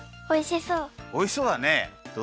おいしそう！